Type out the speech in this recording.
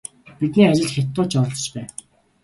Бидний ажилд хятадууд ч оролцож байв.